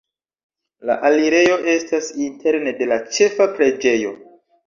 La alirejo estas interne de la ĉefa preĝejo.